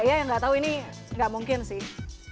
yang gak tau ini gak mungkin sih